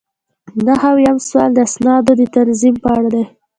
نهه اویایم سوال د اسنادو د تنظیم په اړه دی.